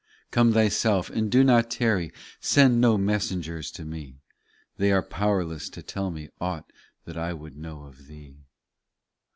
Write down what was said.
Come Thyself, and do not tarry ; Send no messengers to me ; They are powerless to tell me Aught that I would know of Thee.